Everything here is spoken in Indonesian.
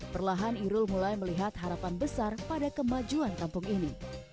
perlahan irul mulai melihat harapan besar pada kemajuan kampung ini